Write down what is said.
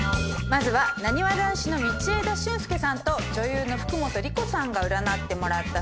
まずはなにわ男子の道枝駿佑さんと女優の福本莉子さんが占ってもらったそうです。